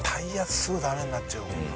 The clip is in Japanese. すぐダメになっちゃうもんな。